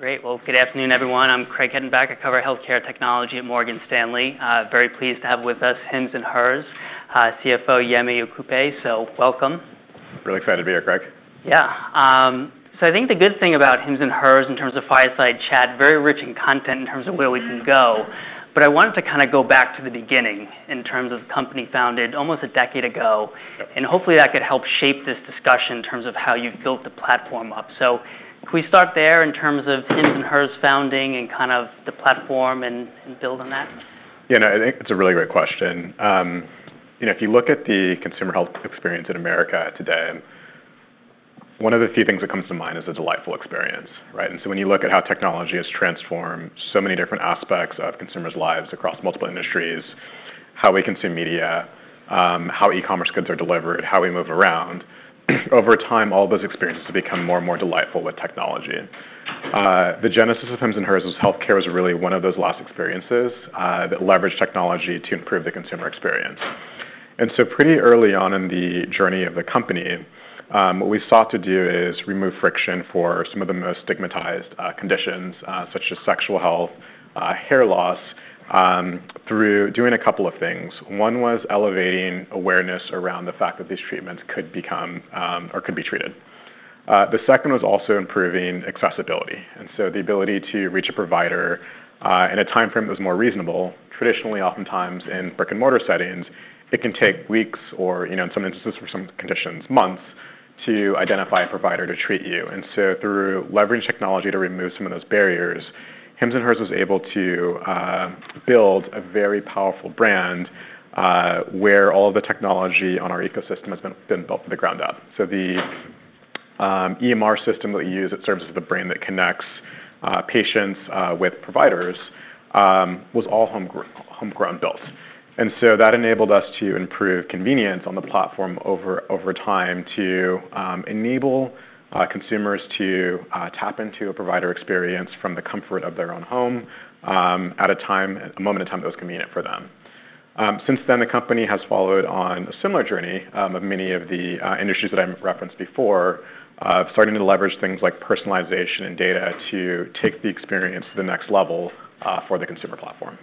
Great. Good afternoon, everyone. I'm Craig Hettenbach. I cover health care technology at Morgan Stanley. Very pleased to have with us Hims & Hers CFO, Yemi Okupe. Welcome. Really excited to be here, Craig. Yeah. So I think the good thing about Hims & Hers, in terms of fireside chat, very rich in content in terms of where we can go. But I wanted to kind of go back to the beginning in terms of the company founded almost a decade ago. And hopefully that could help shape this discussion in terms of how you've built the platform up. So can we start there in terms of Hims & Hers founding and kind of the platform and build on that? Yeah. No, I think it's a really great question. If you look at the consumer health experience in America today, one of the few things that comes to mind is a delightful experience. And so when you look at how technology has transformed so many different aspects of consumers' lives across multiple industries, how we consume media, how e-commerce goods are delivered, how we move around, over time, all those experiences have become more and more delightful with technology. The genesis of Hims & Hers was health care was really one of those last experiences that leveraged technology to improve the consumer experience. And so pretty early on in the journey of the company, what we sought to do is remove friction for some of the most stigmatized conditions, such as sexual health, hair loss, through doing a couple of things. One was elevating awareness around the fact that these treatments could become or could be treated. The second was also improving accessibility, and so the ability to reach a provider in a time frame that was more reasonable. Traditionally, oftentimes in brick-and-mortar settings, it can take weeks or, in some instances for some conditions, months to identify a provider to treat you, and so through leveraging technology to remove some of those barriers, Hims & Hers was able to build a very powerful brand where all of the technology on our ecosystem has been built from the ground up, so the EMR system that we use that serves as the brain that connects patients with providers was all homegrown built. And so that enabled us to improve convenience on the platform over time to enable consumers to tap into a provider experience from the comfort of their own home at a time, a moment in time that was convenient for them. Since then, the company has followed on a similar journey of many of the industries that I've referenced before, starting to leverage things like personalization and data to take the experience to the next level for the consumer platform.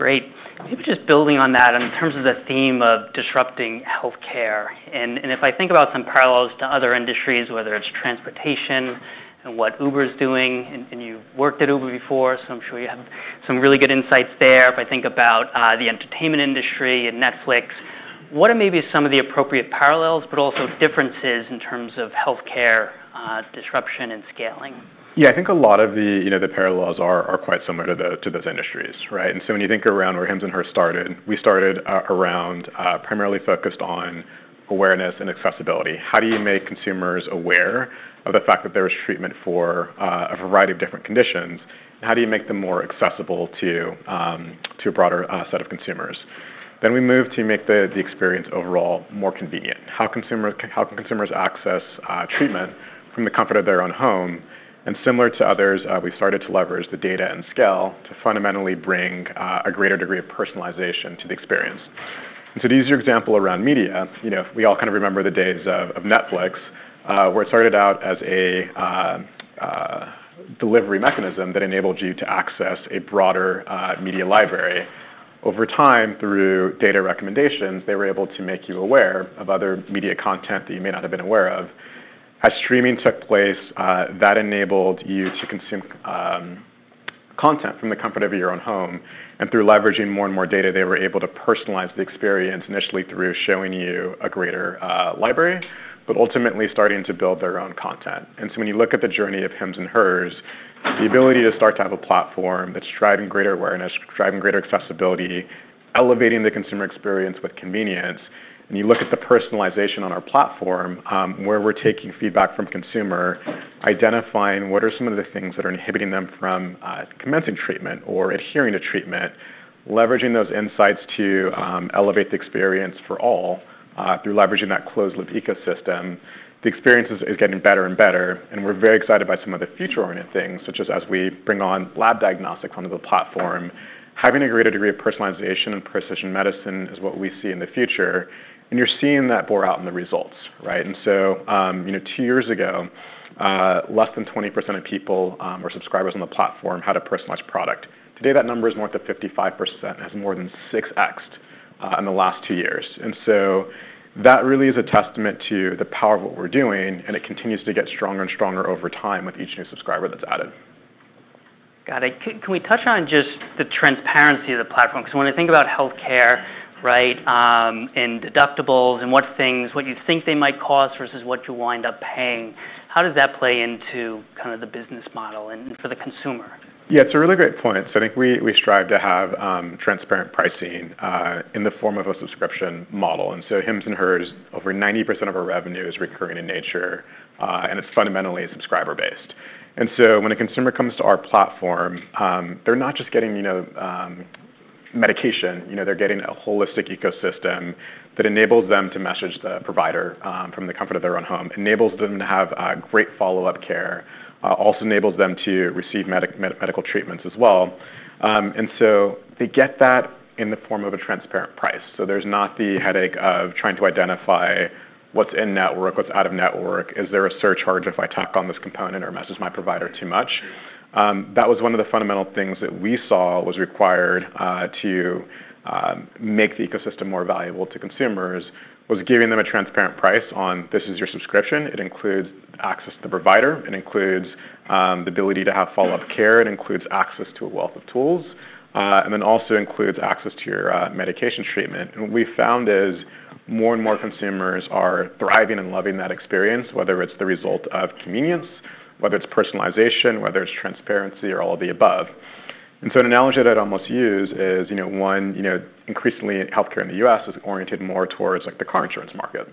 Great. Maybe just building on that in terms of the theme of disrupting health care. And if I think about some parallels to other industries, whether it's transportation and what Uber is doing, and you've worked at Uber before, so I'm sure you have some really good insights there. If I think about the entertainment industry and Netflix, what are maybe some of the appropriate parallels, but also differences in terms of health care disruption and scaling? Yeah. I think a lot of the parallels are quite similar to those industries. And so when you think around where Hims & Hers started, we started around primarily focused on awareness and accessibility. How do you make consumers aware of the fact that there is treatment for a variety of different conditions? And how do you make them more accessible to a broader set of consumers? Then we moved to make the experience overall more convenient. How can consumers access treatment from the comfort of their own home? And similar to others, we've started to leverage the data and scale to fundamentally bring a greater degree of personalization to the experience. And so to use your example around media, we all kind of remember the days of Netflix where it started out as a delivery mechanism that enabled you to access a broader media library. Over time, through data recommendations, they were able to make you aware of other media content that you may not have been aware of. As streaming took place, that enabled you to consume content from the comfort of your own home, and through leveraging more and more data, they were able to personalize the experience initially through showing you a greater library, but ultimately starting to build their own content. And so when you look at the journey of Hims & Hers, the ability to start to have a platform that's driving greater awareness, driving greater accessibility, elevating the consumer experience with convenience, and you look at the personalization on our platform where we're taking feedback from consumer, identifying what are some of the things that are inhibiting them from commencing treatment or adhering to treatment, leveraging those insights to elevate the experience for all through leveraging that closed-loop ecosystem. The experience is getting better and better. And we're very excited by some of the future-oriented things, such as we bring on lab diagnostics onto the platform, having a greater degree of personalization and precision medicine is what we see in the future. And you're seeing that bear out in the results. And so two years ago, less than 20% of people or subscribers on the platform had a personalized product. Today, that number is more than 55%, has more than six-xed in the last two years. And so that really is a testament to the power of what we're doing. And it continues to get stronger and stronger over time with each new subscriber that's added. Got it. Can we touch on just the transparency of the platform? Because when I think about health care and deductibles and what you think they might cost versus what you wind up paying, how does that play into kind of the business model and for the consumer? Yeah. It's a really great point. So I think we strive to have transparent pricing in the form of a subscription model. And so Hims & Hers, over 90% of our revenue is recurring in nature. And it's fundamentally subscriber-based. And so when a consumer comes to our platform, they're not just getting medication. They're getting a holistic ecosystem that enables them to message the provider from the comfort of their own home, enables them to have great follow-up care, also enables them to receive medical treatments as well. And so they get that in the form of a transparent price. So there's not the headache of trying to identify what's in network, what's out of network. Is there a surcharge if I tack on this component or message my provider too much? That was one of the fundamental things that we saw was required to make the ecosystem more valuable to consumers was giving them a transparent price on this is your subscription. It includes access to the provider. It includes the ability to have follow-up care. It includes access to a wealth of tools. And then also includes access to your medication treatment. And what we found is more and more consumers are thriving and loving that experience, whether it's the result of convenience, whether it's personalization, whether it's transparency, or all of the above. And so an analogy that I'd almost use is, one, increasingly health care in the U.S. is oriented more towards the car insurance market.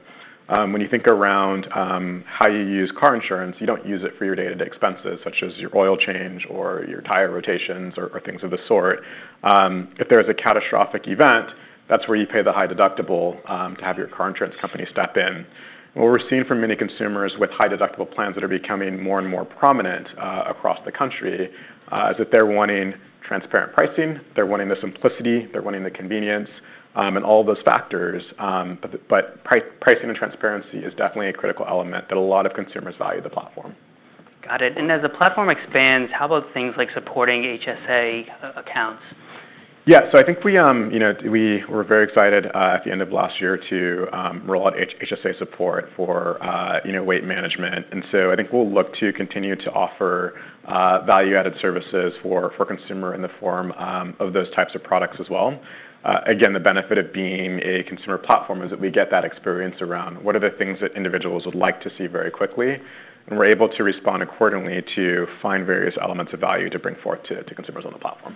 When you think around how you use car insurance, you don't use it for your day-to-day expenses, such as your oil change or your tire rotations or things of the sort. If there is a catastrophic event, that's where you pay the high deductible to have your car insurance company step in. What we're seeing from many consumers with high deductible plans that are becoming more and more prominent across the country is that they're wanting transparent pricing. They're wanting the simplicity. They're wanting the convenience and all of those factors. But pricing and transparency is definitely a critical element that a lot of consumers value the platform. Got it. And as the platform expands, how about things like supporting HSA accounts? Yeah, so I think we were very excited at the end of last year to roll out HSA support for weight management, and so I think we'll look to continue to offer value-added services for consumers in the form of those types of products as well. Again, the benefit of being a consumer platform is that we get that experience around what are the things that individuals would like to see very quickly, and we're able to respond accordingly to find various elements of value to bring forth to consumers on the platform.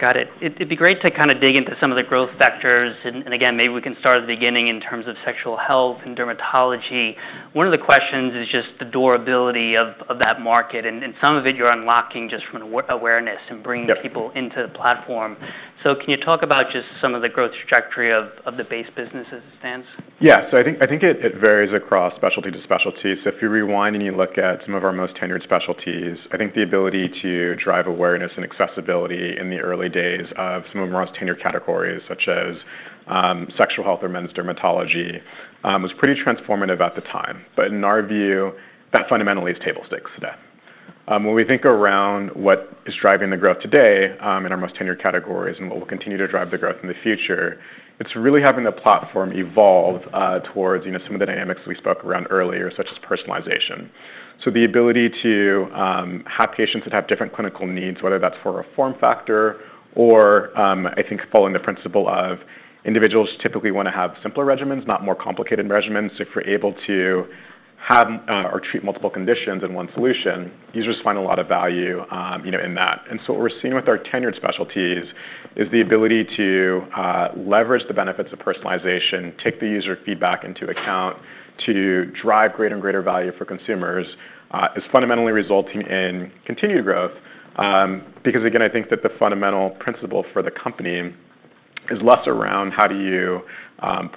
Got it. It'd be great to kind of dig into some of the growth factors. And again, maybe we can start at the beginning in terms of sexual health and dermatology. One of the questions is just the durability of that market. And some of it you're unlocking just from awareness and bringing people into the platform. So can you talk about just some of the growth trajectory of the base business as it stands? Yeah. So I think it varies across specialty to specialty. So if you rewind and you look at some of our most tenured specialties, I think the ability to drive awareness and accessibility in the early days of some of our most tenured categories, such as sexual health or men's dermatology, was pretty transformative at the time. But in our view, that fundamentally is table stakes today. When we think around what is driving the growth today in our most tenured categories and what will continue to drive the growth in the future, it's really having the platform evolve towards some of the dynamics we spoke around earlier, such as personalization. So the ability to have patients that have different clinical needs, whether that's for a form factor or I think following the principle of individuals typically want to have simpler regimens, not more complicated regimens. So if you're able to have or treat multiple conditions in one solution, users find a lot of value in that. And so what we're seeing with our tenured specialties is the ability to leverage the benefits of personalization, take the user feedback into account to drive greater and greater value for consumers is fundamentally resulting in continued growth. Because again, I think that the fundamental principle for the company is less around how do you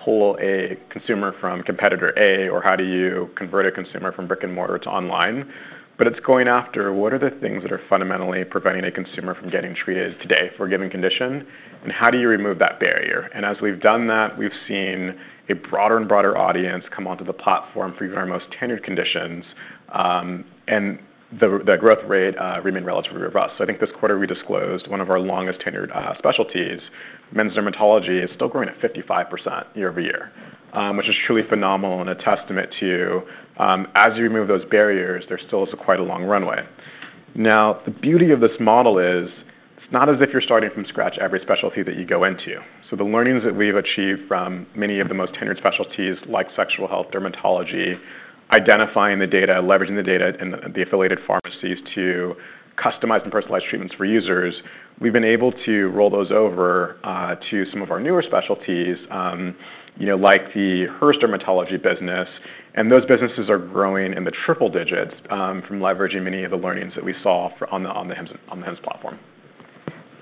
pull a consumer from competitor A or how do you convert a consumer from brick and mortar to online. But it's going after what are the things that are fundamentally preventing a consumer from getting treated today for a given condition? And how do you remove that barrier? And as we've done that, we've seen a broader and broader audience come onto the platform for our most tenured conditions. And the growth rate remained relatively robust. So I think this quarter we disclosed one of our longest tenured specialties, men's dermatology, is still growing at 55% year over year, which is truly phenomenal and a testament to as you remove those barriers, there still is quite a long runway. Now, the beauty of this model is it's not as if you're starting from scratch every specialty that you go into. So the learnings that we've achieved from many of the most tenured specialties like sexual health, dermatology, identifying the data, leveraging the data in the affiliated pharmacies to customize and personalize treatments for users, we've been able to roll those over to some of our newer specialties like the Hers dermatology business. And those businesses are growing in the triple digits from leveraging many of the learnings that we saw on the Hims platform.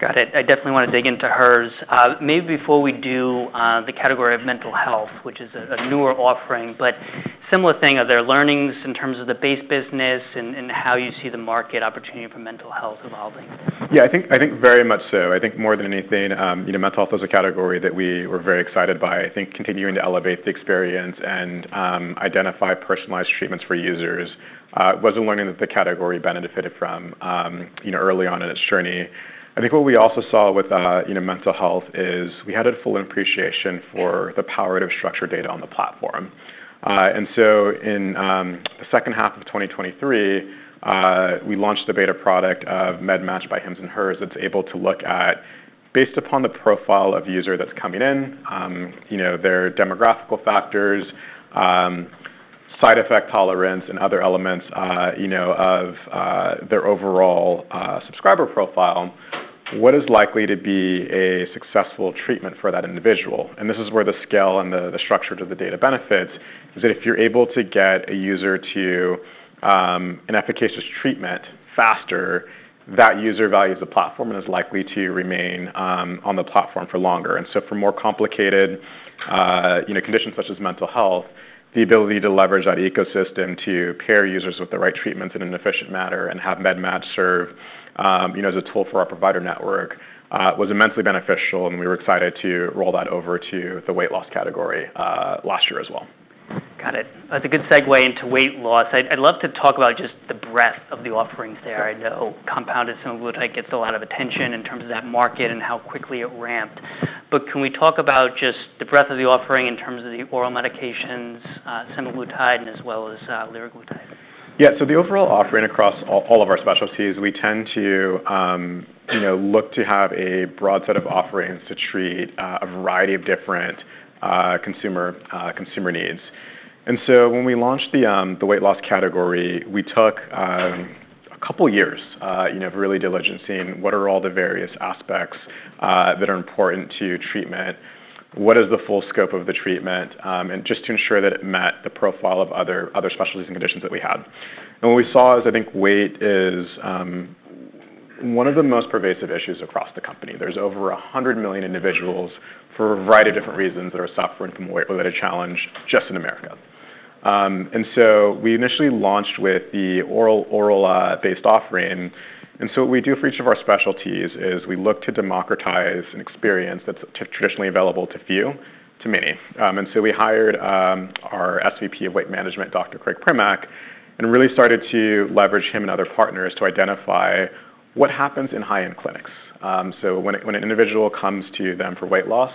Got it. I definitely want to dig into Hers. Maybe before we do the category of mental health, which is a newer offering, but similar thing of their learnings in terms of the base business and how you see the market opportunity for mental health evolving. Yeah. I think very much so. I think more than anything, mental health is a category that we were very excited by. I think continuing to elevate the experience and identify personalized treatments for users was a learning that the category benefited from early on in its journey. I think what we also saw with mental health is we had a full appreciation for the power to structure data on the platform. And so in the second half of 2023, we launched the beta product of MedMatch by Hims & Hers that's able to look at, based upon the profile of the user that's coming in, their demographic factors, side effect tolerance, and other elements of their overall subscriber profile, what is likely to be a successful treatment for that individual. And this is where the scale and the structure of the data benefits is that if you're able to get a user to an efficacious treatment faster, that user values the platform and is likely to remain on the platform for longer. And so for more complicated conditions such as mental health, the ability to leverage that ecosystem to pair users with the right treatments in an efficient manner and have MedMatch serve as a tool for our provider network was immensely beneficial. And we were excited to roll that over to the weight loss category last year as well. Got it. That's a good segue into weight loss. I'd love to talk about just the breadth of the offerings there. I know compounded semaglutide gets a lot of attention in terms of that market and how quickly it ramped. But can we talk about just the breadth of the offering in terms of the oral medications, semaglutide, and as well as liraglutide? Yeah. So the overall offering across all of our specialties, we tend to look to have a broad set of offerings to treat a variety of different consumer needs. And so when we launched the weight loss category, we took a couple of years of really diligently seeing what are all the various aspects that are important to treatment, what is the full scope of the treatment, and just to ensure that it met the profile of other specialties and conditions that we had. And what we saw is I think weight is one of the most pervasive issues across the company. There's over 100 million individuals for a variety of different reasons that are suffering from weight-related challenge just in America. And so we initially launched with the oral-based offering. And so, what we do for each of our specialties is we look to democratize an experience that's traditionally available to few to many. And so we hired our SVP of Weight Management, Dr. Craig Primack, and really started to leverage him and other partners to identify what happens in high-end clinics. So when an individual comes to them for weight loss,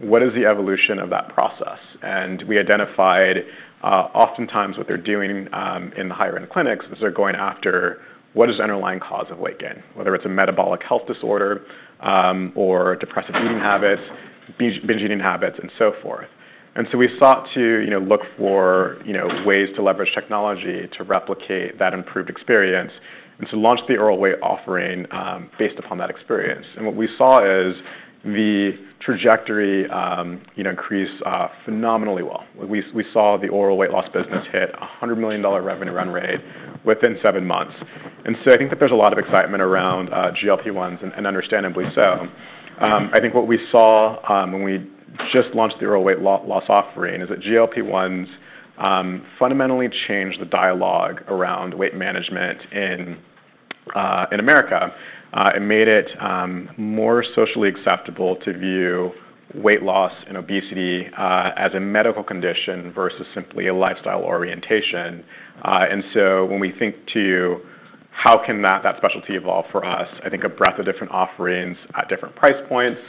what is the evolution of that process? And we identified oftentimes what they're doing in the higher-end clinics is they're going after what is the underlying cause of weight gain, whether it's a metabolic health disorder or depressive eating habits, binge eating habits, and so forth. And so we sought to look for ways to leverage technology to replicate that improved experience and to launch the oral weight offering based upon that experience. And what we saw is the trajectory increased phenomenally well. We saw the oral weight loss business hit a $100 million revenue run rate within seven months, and so I think that there's a lot of excitement around GLP-1s and understandably so. I think what we saw when we just launched the oral weight loss offering is that GLP-1s fundamentally changed the dialogue around weight management in America. It made it more socially acceptable to view weight loss and obesity as a medical condition versus simply a lifestyle orientation, and so when we think to how can that specialty evolve for us, I think a breadth of different offerings at different price points,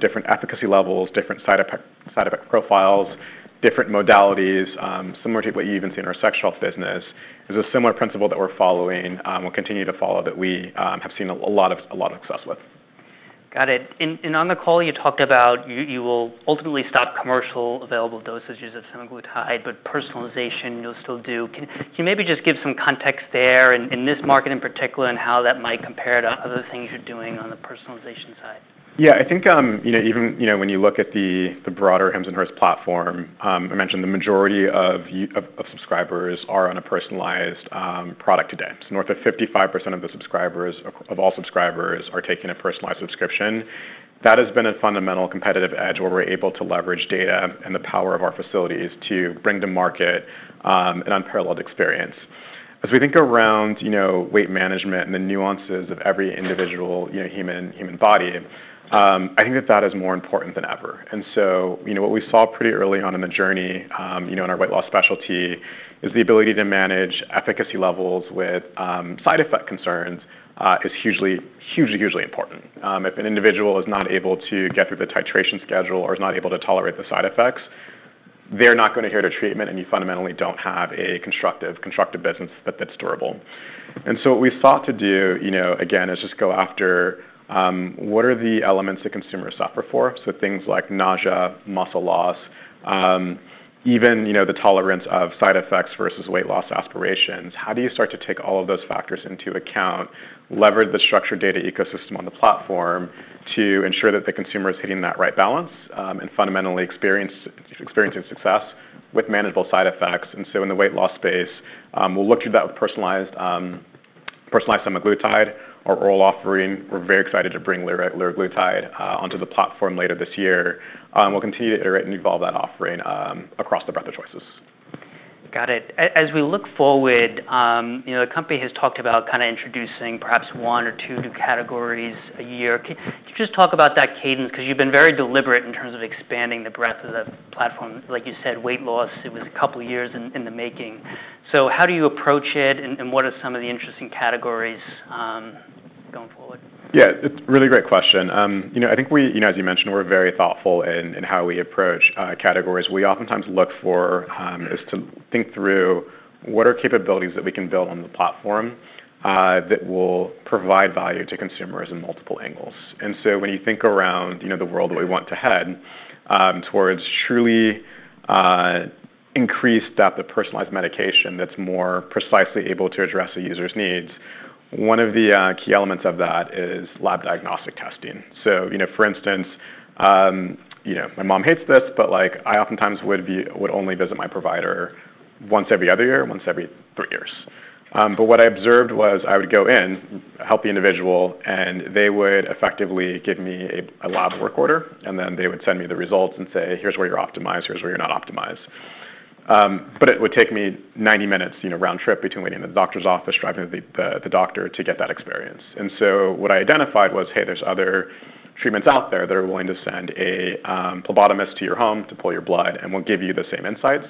different efficacy levels, different side effect profiles, different modalities, similar to what you even see in our sexual health business, is a similar principle that we're following and will continue to follow that we have seen a lot of success with. Got it. And on the call, you talked about you will ultimately stop commercial available dosages of semaglutide, but personalization you'll still do. Can you maybe just give some context there in this market in particular and how that might compare to other things you're doing on the personalization side? Yeah. I think even when you look at the broader Hims & Hers platform, I mentioned the majority of subscribers are on a personalized product today. So north of 55% of the subscribers of all subscribers are taking a personalized subscription. That has been a fundamental competitive edge where we're able to leverage data and the power of our facilities to bring to market an unparalleled experience. As we think around weight management and the nuances of every individual human body, I think that that is more important than ever. And so what we saw pretty early on in the journey in our weight loss specialty is the ability to manage efficacy levels with side effect concerns, is hugely, hugely, hugely important. If an individual is not able to get through the titration schedule or is not able to tolerate the side effects, they're not going to hear their treatment, and you fundamentally don't have a constructive business that's durable. And so what we sought to do, again, is just go after what are the elements that consumers suffer for? So things like nausea, muscle loss, even the tolerance of side effects versus weight loss aspirations. How do you start to take all of those factors into account, leverage the structured data ecosystem on the platform to ensure that the consumer is hitting that right balance and fundamentally experiencing success with manageable side effects? And so in the weight loss space, we'll look to that with personalized semaglutide or oral offering. We're very excited to bring liraglutide onto the platform later this year. We'll continue to iterate and evolve that offering across the breadth of choices. Got it. As we look forward, the company has talked about kind of introducing perhaps one or two new categories a year. Can you just talk about that cadence? Because you've been very deliberate in terms of expanding the breadth of the platform. Like you said, weight loss, it was a couple of years in the making. So how do you approach it, and what are some of the interesting categories going forward? Yeah. It's a really great question. I think as you mentioned, we're very thoughtful in how we approach categories. We oftentimes look for is to think through what are capabilities that we can build on the platform that will provide value to consumers in multiple angles. And so when you think around the world that we want to head towards truly increased depth of personalized medication that's more precisely able to address a user's needs, one of the key elements of that is lab diagnostic testing. So for instance, my mom hates this, but I oftentimes would only visit my provider once every other year, once every three years. But what I observed was I would go in, help the individual, and they would effectively give me a lab work order, and then they would send me the results and say, "Here's where you're optimized, here's where you're not optimized, but it would take me 90 minutes round trip between waiting in the doctor's office, driving to the doctor to get that experience, and so what I identified was, 'Hey, there's other treatments out there that are willing to send a phlebotomist to your home to pull your blood, and we'll give you the same insights.'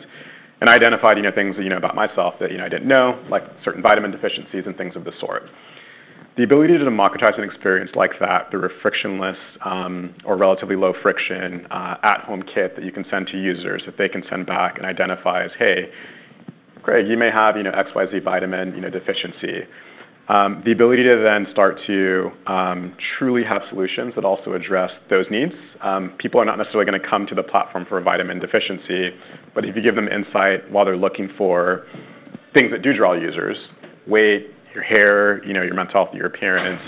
And I identified things about myself that I didn't know, like certain vitamin deficiencies and things of the sort. The ability to democratize an experience like that, the frictionless or relatively low friction at-home kit that you can send to users that they can send back and identify as, 'Hey, Craig, you may have XYZ vitamin deficiency.' The ability to then start to truly have solutions that also address those needs. People are not necessarily going to come to the platform for a vitamin deficiency, but if you give them insight while they're looking for things that do draw users, weight, your hair, your mental health, your appearance,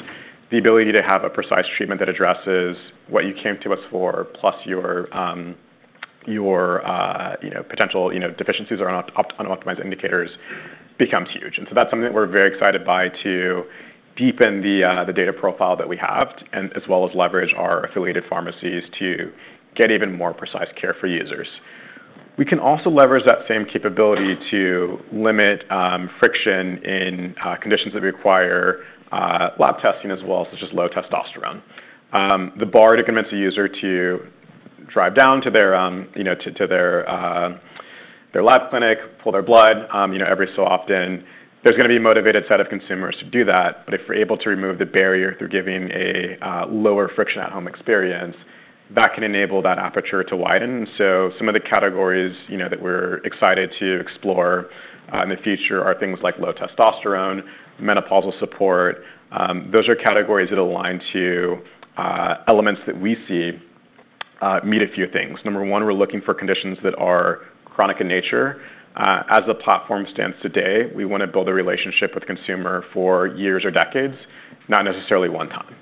the ability to have a precise treatment that addresses what you came to us for plus your potential deficiencies or unoptimized indicators becomes huge. And so that's something that we're very excited by to deepen the data profile that we have as well as leverage our affiliated pharmacies to get even more precise care for users. We can also leverage that same capability to limit friction in conditions that require lab testing as well, such as low testosterone. The bar to convince a user to drive down to their lab clinic, pull their blood every so often. There's going to be a motivated set of consumers to do that. But if we're able to remove the barrier through giving a lower friction at-home experience, that can enable that aperture to widen. And so some of the categories that we're excited to explore in the future are things like low testosterone, menopausal support. Those are categories that align to elements that we see meet a few things. Number one, we're looking for conditions that are chronic in nature. As the platform stands today, we want to build a relationship with the consumer for years or decades, not necessarily one time.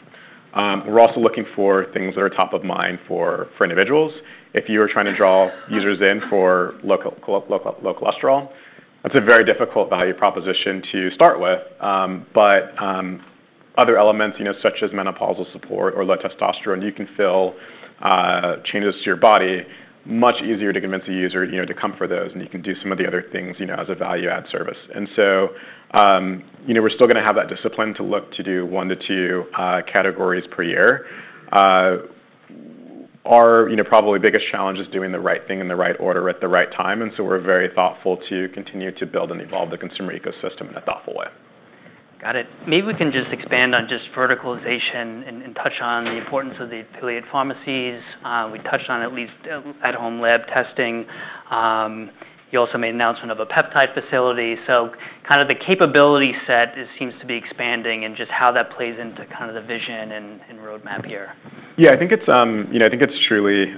We're also looking for things that are top of mind for individuals. If you are trying to draw users in for low cholesterol, that's a very difficult value proposition to start with. But other elements such as menopausal support or low testosterone. You can feel changes to your body much easier to convince a user to come for those, and you can do some of the other things as a value-add service. And so we're still going to have that discipline to look to do one to two categories per year. Our probably biggest challenge is doing the right thing in the right order at the right time. And so we're very thoughtful to continue to build and evolve the consumer ecosystem in a thoughtful way. Got it. Maybe we can just expand on just verticalization and touch on the importance of the affiliate pharmacies. We touched on at least at-home lab testing. You also made an announcement of a peptide facility. So kind of the capability set seems to be expanding and just how that plays into kind of the vision and roadmap here. Yeah. I think it's truly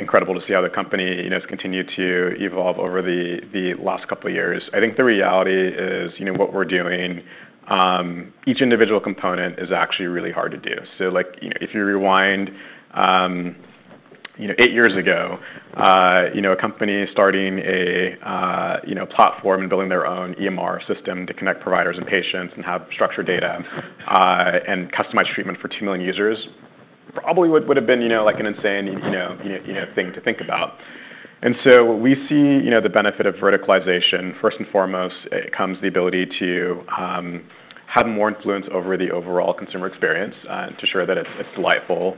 incredible to see how the company has continued to evolve over the last couple of years. I think the reality is what we're doing, each individual component is actually really hard to do. So if you rewind eight years ago, a company starting a platform and building their own EMR system to connect providers and patients and have structured data and customized treatment for two million users probably would have been like an insane thing to think about. And so we see the benefit of verticalization. First and foremost, it comes the ability to have more influence over the overall consumer experience to ensure that it's delightful.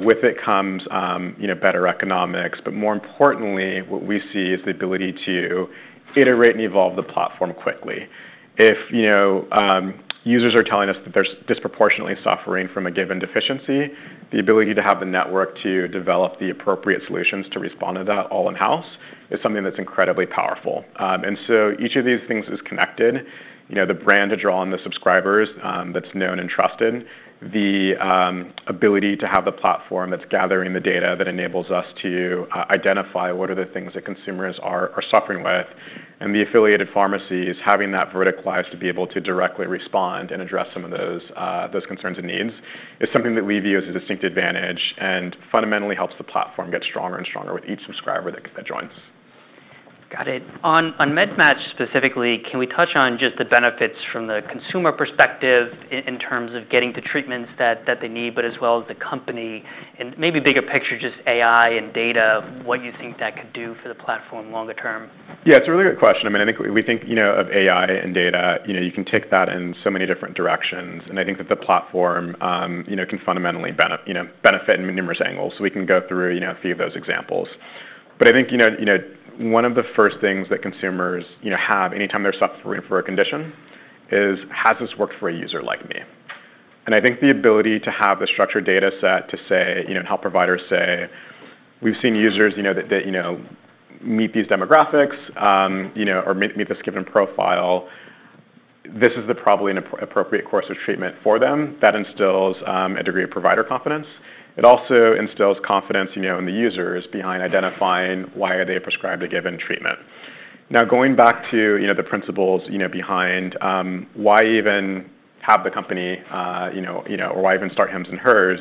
With it comes better economics. But more importantly, what we see is the ability to iterate and evolve the platform quickly. If users are telling us that they're disproportionately suffering from a given deficiency, the ability to have the network to develop the appropriate solutions to respond to that all in-house is something that's incredibly powerful, and so each of these things is connected. The brand to draw on the subscribers that's known and trusted, the ability to have the platform that's gathering the data that enables us to identify what are the things that consumers are suffering with, and the affiliated pharmacies having that verticalized to be able to directly respond and address some of those concerns and needs is something that we view as a distinct advantage and fundamentally helps the platform get stronger and stronger with each subscriber that joins. Got it. On MedMatch specifically, can we touch on just the benefits from the consumer perspective in terms of getting the treatments that they need, but as well as the company and maybe bigger picture, just AI and data, what you think that could do for the platform longer term? Yeah. It's a really good question. I mean, I think we think of AI and data. You can take that in so many different directions, and I think that the platform can fundamentally benefit in numerous angles. So we can go through a few of those examples, but I think one of the first things that consumers have anytime they're suffering from a condition is, "Has this worked for a user like me?" And I think the ability to have the structured data set to help providers say, "We've seen users that meet these demographics or meet this given profile. This is probably an appropriate course of treatment for them." That instills a degree of provider confidence. It also instills confidence in the users by identifying why they are prescribed a given treatment. Now, going back to the principles behind why even have the company or why even start Hims & Hers,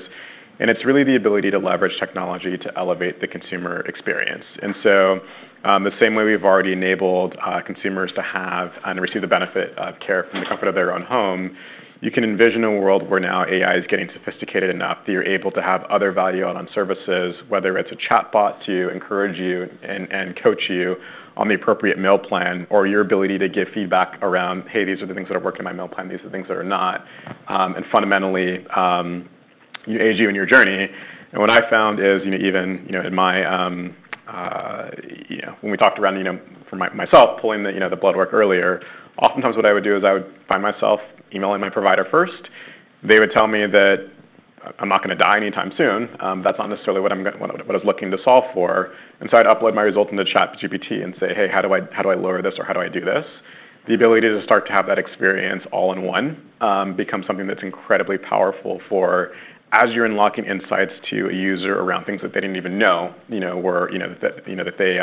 and it's really the ability to leverage technology to elevate the consumer experience. And so the same way we've already enabled consumers to have and receive the benefit of care from the comfort of their own home, you can envision a world where now AI is getting sophisticated enough that you're able to have other value-added services, whether it's a chatbot to encourage you and coach you on the appropriate meal plan or your ability to give feedback around, "Hey, these are the things that are working in my meal plan. These are the things that are not." And fundamentally, you age you in your journey. And what I found is even in my when we talked around for myself pulling the blood work earlier, oftentimes what I would do is I would find myself emailing my provider first. They would tell me that, "I'm not going to die anytime soon. That's not necessarily what I'm looking to solve for." And so I'd upload my result into ChatGPT and say, "Hey, how do I lower this or how do I do this?" The ability to start to have that experience all in one becomes something that's incredibly powerful for as you're unlocking insights to a user around things that they didn't even know that they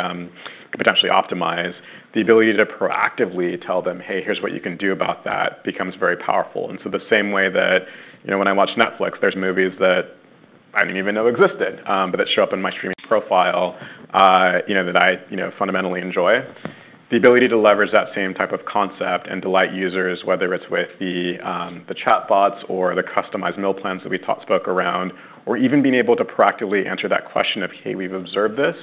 could potentially optimize. The ability to proactively tell them, "Hey, here's what you can do about that," becomes very powerful. And so the same way that when I watch Netflix, there's movies that I didn't even know existed, but that show up in my streaming profile that I fundamentally enjoy. The ability to leverage that same type of concept and delight users, whether it's with the chatbots or the customized meal plans that we spoke around, or even being able to proactively answer that question of, "Hey, we've observed this.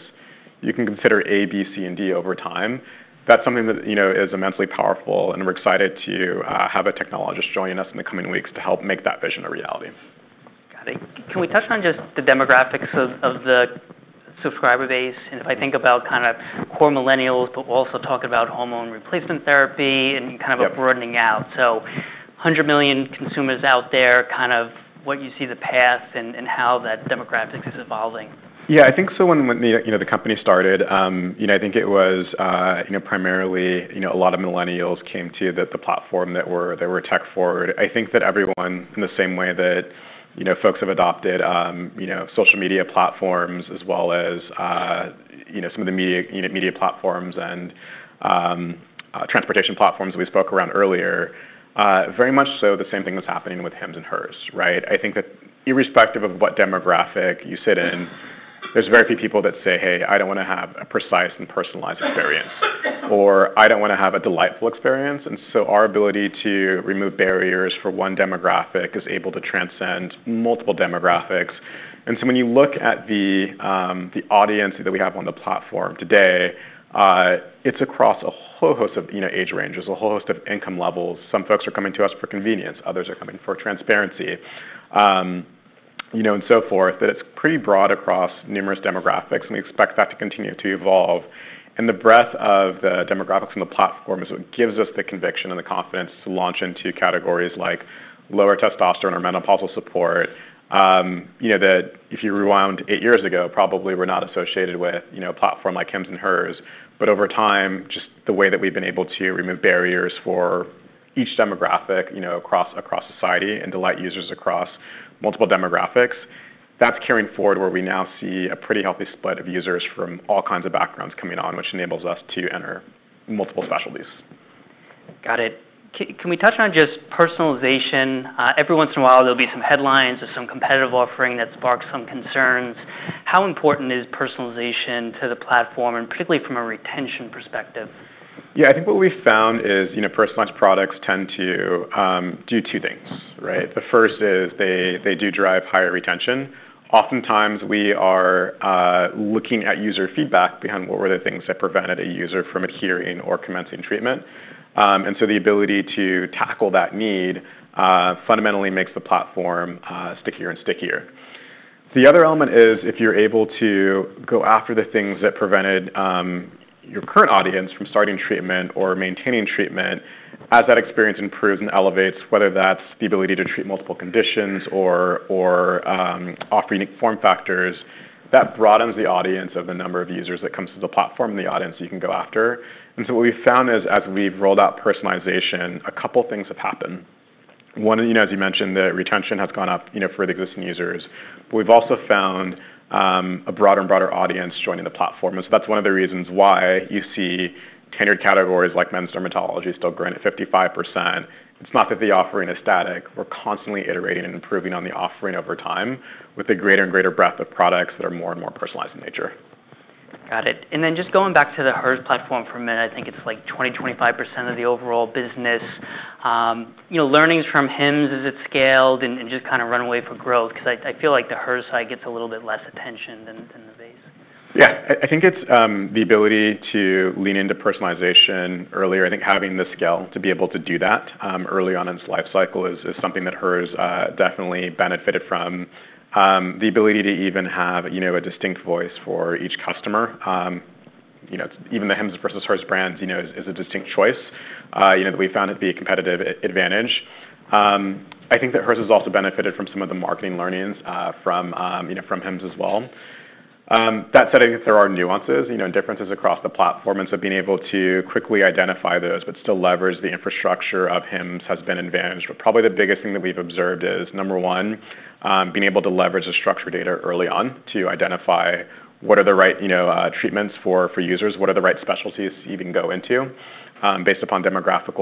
You can consider A, B, C, and D over time." That's something that is immensely powerful, and we're excited to have a technologist join us in the coming weeks to help make that vision a reality. Got it. Can we touch on just the demographics of the subscriber base? And if I think about kind of core millennials, but we're also talking about hormone replacement therapy and kind of broadening out. So 100 million consumers out there, kind of what you see the path and how that demographic is evolving. Yeah. I think so when the company started, I think it was primarily a lot of millennials came to the platform that were tech forward. I think that everyone in the same way that folks have adopted social media platforms as well as some of the media platforms and transportation platforms we spoke around earlier, very much so the same thing was happening with Hims & Hers, right? I think that irrespective of what demographic you sit in, there's very few people that say, "Hey, I don't want to have a precise and personalized experience," or, "I don't want to have a delightful experience." And so our ability to remove barriers for one demographic is able to transcend multiple demographics. And so when you look at the audience that we have on the platform today, it's across a whole host of age ranges, a whole host of income levels. Some folks are coming to us for convenience. Others are coming for transparency and so forth, that it's pretty broad across numerous demographics, and we expect that to continue to evolve, and the breadth of the demographics on the platform gives us the conviction and the confidence to launch into categories like lower testosterone or menopausal support that if you rewind eight years ago, probably were not associated with a platform like Hims & Hers, but over time, just the way that we've been able to remove barriers for each demographic across society and delight users across multiple demographics, that's carrying forward where we now see a pretty healthy split of users from all kinds of backgrounds coming on, which enables us to enter multiple specialties. Got it. Can we touch on just personalization? Every once in a while, there'll be some headlines or some competitive offering that sparks some concerns. How important is personalization to the platform, and particularly from a retention perspective? Yeah. I think what we found is personalized products tend to do two things, right? The first is they do drive higher retention. Oftentimes, we are looking at user feedback behind what were the things that prevented a user from adhering or commencing treatment. And so the ability to tackle that need fundamentally makes the platform stickier and stickier. The other element is if you're able to go after the things that prevented your current audience from starting treatment or maintaining treatment, as that experience improves and elevates, whether that's the ability to treat multiple conditions or offer unique form factors, that broadens the audience of the number of users that comes to the platform and the audience you can go after. And so what we found is as we've rolled out personalization, a couple of things have happened. One, as you mentioned, the retention has gone up for the existing users. But we've also found a broader and broader audience joining the platform. And so that's one of the reasons why you see tenured categories like men's dermatology still growing at 55%. It's not that the offering is static. We're constantly iterating and improving on the offering over time with a greater and greater breadth of products that are more and more personalized in nature. Got it. And then just going back to the Hers platform for a minute, I think it's like 20%-25% of the overall business. Learnings from Hims as it scaled and just kind of runway for growth because I feel like the Hers side gets a little bit less attention than the base. Yeah. I think it's the ability to lean into personalization earlier. I think having the skill to be able to do that early on in its life cycle is something that Hers definitely benefited from. The ability to even have a distinct voice for each customer. Even the Hims vs Hers brand is a distinct choice that we found to be a competitive advantage. I think that Hers has also benefited from some of the marketing learnings from Hims as well. That said, I think there are nuances and differences across the platform. And so being able to quickly identify those but still leverage the infrastructure of Hims has been advantaged. But probably the biggest thing that we've observed is number one, being able to leverage the structured data early on to identify what are the right treatments for users, what are the right specialties you can go into based upon demographic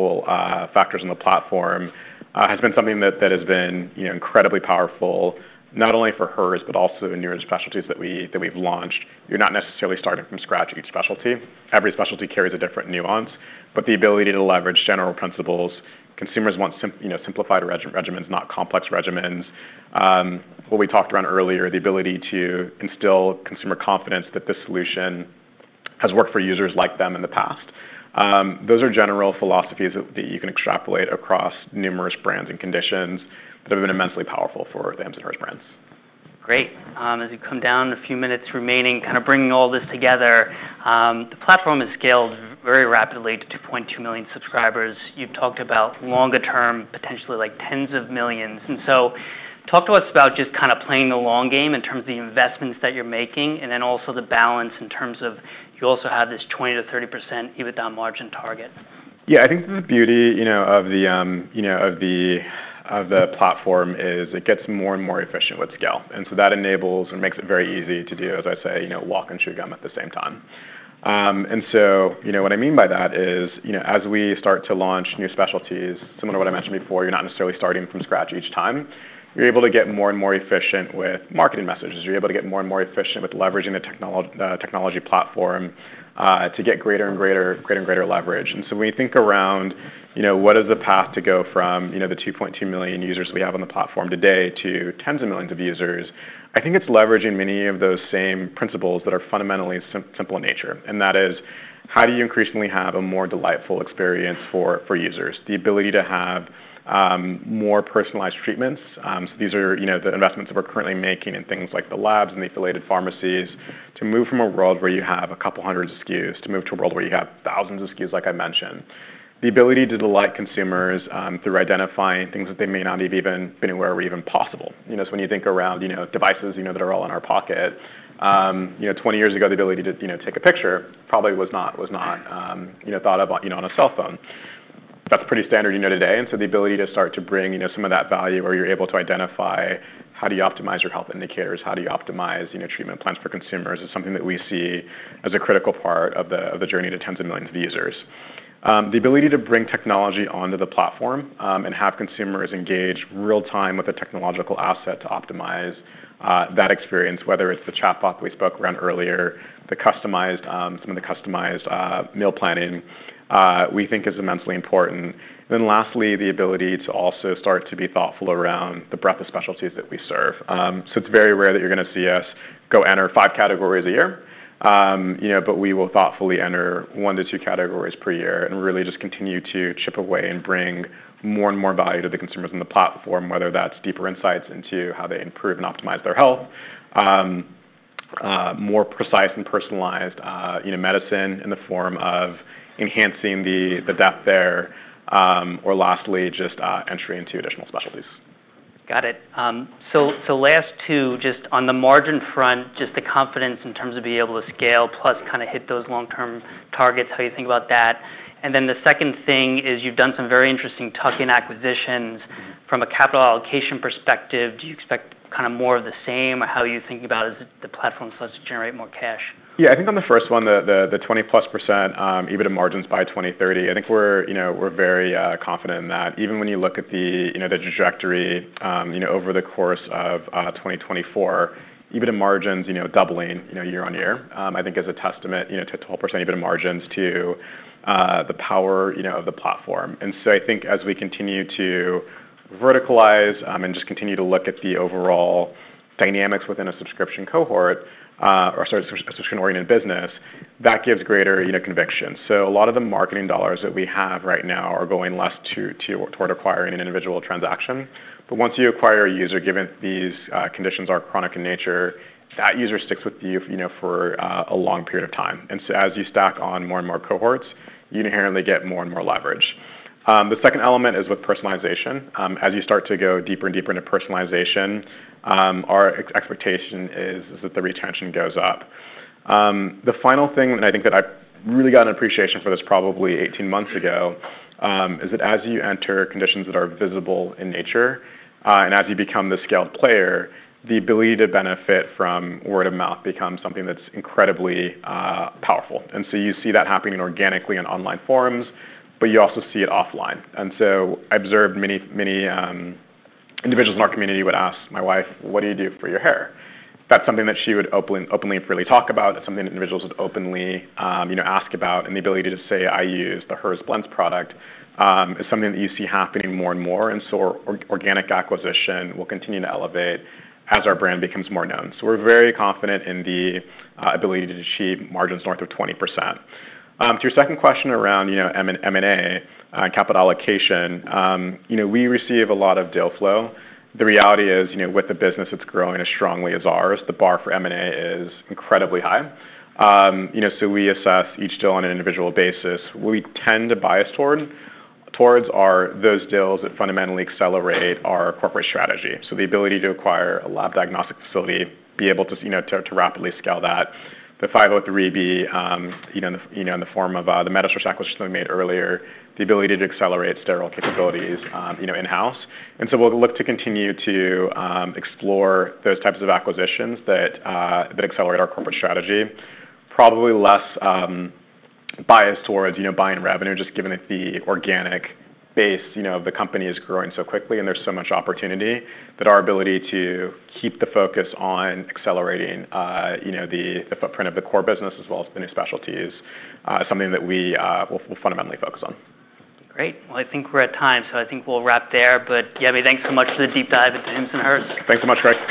factors on the platform, has been something that has been incredibly powerful not only for Hers but also in numerous specialties that we've launched. You're not necessarily starting from scratch each specialty. Every specialty carries a different nuance. But the ability to leverage general principles. Consumers want simplified regimens, not complex regimens. What we talked around earlier, the ability to instill consumer confidence that this solution has worked for users like them in the past. Those are general philosophies that you can extrapolate across numerous brands and conditions that have been immensely powerful for the Hims & Hers brands. Great. As we come down, a few minutes remaining kind of bringing all this together, the platform has scaled very rapidly to 2.2 million subscribers. You've talked about longer term, potentially like tens of millions. And so talk to us about just kind of playing the long game in terms of the investments that you're making and then also the balance in terms of you also have this 20%-30% EBITDA margin target. Yeah. I think the beauty of the platform is it gets more and more efficient with scale. And so that enables and makes it very easy to do, as I say, walk and chew gum at the same time. And so what I mean by that is as we start to launch new specialties, similar to what I mentioned before, you're not necessarily starting from scratch each time. You're able to get more and more efficient with marketing messages. You're able to get more and more efficient with leveraging the technology platform to get greater and greater and greater leverage. And so when you think around what is the path to go from the 2.2 million users we have on the platform today to tens of millions of users, I think it's leveraging many of those same principles that are fundamentally simple in nature. And that is, how do you increasingly have a more delightful experience for users? The ability to have more personalized treatments. So these are the investments that we're currently making in things like the labs and the affiliated pharmacies to move from a world where you have a couple hundred SKUs to move to a world where you have thousands of SKUs, like I mentioned. The ability to delight consumers through identifying things that they may not have even been aware were even possible. So when you think around devices that are all in our pocket, 20 years ago, the ability to take a picture probably was not thought of on a cell phone. That's pretty standard today. And so the ability to start to bring some of that value where you're able to identify how do you optimize your health indicators, how do you optimize treatment plans for consumers is something that we see as a critical part of the journey to tens of millions of users. The ability to bring technology onto the platform and have consumers engage real-time with a technological asset to optimize that experience, whether it's the chatbot that we spoke around earlier, some of the customized meal planning, we think is immensely important. And then lastly, the ability to also start to be thoughtful around the breadth of specialties that we serve. So, it's very rare that you're going to see us go enter five categories a year, but we will thoughtfully enter one to two categories per year and really just continue to chip away and bring more and more value to the consumers on the platform, whether that's deeper insights into how they improve and optimize their health, more precise and personalized medicine in the form of enhancing the depth there, or lastly, just entry into additional specialties. Got it. So last two, just on the margin front, just the confidence in terms of being able to scale plus kind of hit those long-term targets, how you think about that? And then the second thing is you've done some very interesting tuck-in acquisitions from a capital allocation perspective. Do you expect kind of more of the same, or how are you thinking about as the platform starts to generate more cash? Yeah. I think on the first one, the 20-plus% EBITDA margins by 2030, I think we're very confident in that. Even when you look at the trajectory over the course of 2024, EBITDA margins doubling year on year, I think is a testament to 12% EBITDA margins to the power of the platform. And so I think as we continue to verticalize and just continue to look at the overall dynamics within a subscription cohort or a subscription-oriented business, that gives greater conviction. So a lot of the marketing dollars that we have right now are going less toward acquiring an individual transaction. But once you acquire a user, given these conditions are chronic in nature, that user sticks with you for a long period of time. And so as you stack on more and more cohorts, you inherently get more and more leverage. The second element is with personalization. As you start to go deeper and deeper into personalization, our expectation is that the retention goes up. The final thing, and I think that I really got an appreciation for this probably 18 months ago, is that as you enter conditions that are visible in nature and as you become the scaled player, the ability to benefit from word of mouth becomes something that's incredibly powerful, and so you see that happening organically in online forums, but you also see it offline, and so I observed many individuals in our community would ask my wife, "What do you do for your hair?" That's something that she would openly and freely talk about. That's something that individuals would openly ask about, and the ability to say, "I use the Hers Blends product," is something that you see happening more and more. And so organic acquisition will continue to elevate as our brand becomes more known. So we're very confident in the ability to achieve margins north of 20%. To your second question around M&A and capital allocation, we receive a lot of deal flow. The reality is with the business that's growing as strongly as ours, the bar for M&A is incredibly high. So we assess each deal on an individual basis. What we tend to bias towards are those deals that fundamentally accelerate our corporate strategy. So the ability to acquire a lab diagnostic facility, be able to rapidly scale that, the 503B in the form of the Medisource acquisition that we made earlier, the ability to accelerate sterile capabilities in-house. And so we'll look to continue to explore those types of acquisitions that accelerate our corporate strategy. Probably less biased towards buying revenue just given the organic base of the company is growing so quickly and there's so much opportunity that our ability to keep the focus on accelerating the footprint of the core business as well as the new specialties is something that we will fundamentally focus on. Great. Well, I think we're at time. So I think we'll wrap there. But Yemi, thanks so much for the deep dive into Hims & Hers. Thanks so much, Craig.